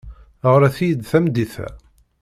Ɣret-iyi-d tameddit-a.